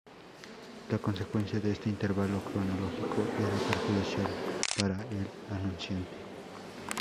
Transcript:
La consecuencia de este intervalo cronológico era perjudicial para el anunciante.